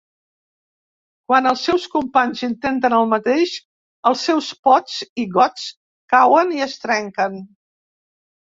Quan els seus companys intenten el mateix, els seus pots i gots cauen i es trenquen.